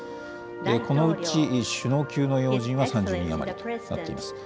このうち首脳級の要人は３０人余りとなっています。